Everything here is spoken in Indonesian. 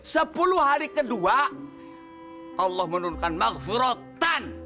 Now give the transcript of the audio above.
sepuluh hari kedua allah menurunkan magfirotan